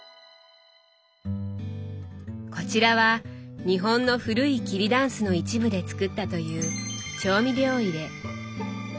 こちらは日本の古い桐だんすの一部で作ったという調味料入れ。